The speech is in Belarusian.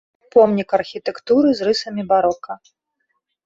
Помнік архітэктуры з рысамі барока.